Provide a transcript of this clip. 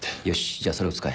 じゃあそれを使え。